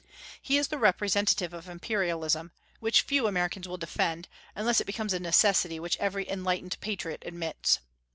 He is the representative of imperialism; which few Americans will defend, unless it becomes a necessity which every enlightened patriot admits.